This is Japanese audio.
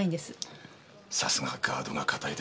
さすがガードが固いですね。